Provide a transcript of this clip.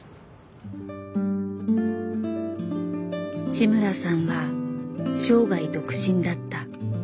志村さんは生涯独身だった。